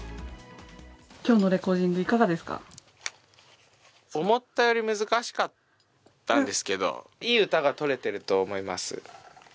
きょうのレコーディング、思ったより難しかったんですけど、いい歌が撮れてると思います。